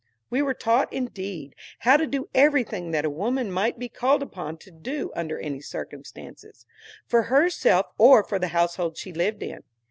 We were taught, indeed, how to do everything that a woman might be called upon to do under any circumstances, for herself or for the household she lived in.